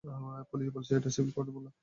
Police বলছে, এইটা civil কোর্টের মামলা।